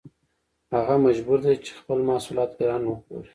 هغه مجبور دی چې خپل محصولات ګران وپلوري